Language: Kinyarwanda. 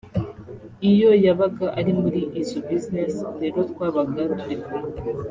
iyo yabaga ari muri izo business rero twabaga turi kumwe